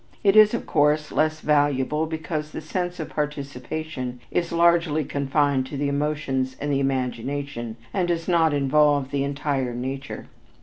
It is, of course, less valuable because the sense of participation is largely confined to the emotions and the imagination, and does not involve the entire nature.